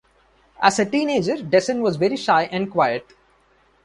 As a teenager, Dessen was very shy and quiet.